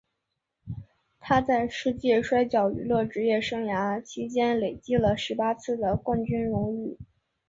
他在世界摔角娱乐职业生涯期间累计了十八次的冠军荣誉。